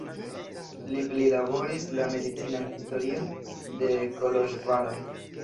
Li prilaboris la medicinan historion de Koloĵvaro.